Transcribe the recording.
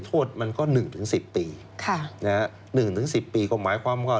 โทษมันก็หนึ่งถึงสิบปีค่ะนะฮะหนึ่งถึงสิบปีก็หมายความว่า